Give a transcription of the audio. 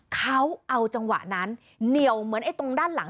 เขาเอาจังหวะนั้นเหนียวเหมือนไอ้ตรงด้านหลัง